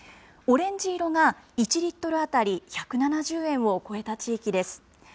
オレンジ色が１リットル当たり１７０円を超えた地域です。